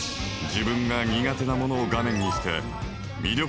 自分が苦手なものを画面にして。